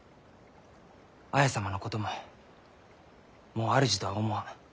綾様のことももう主とは思わん。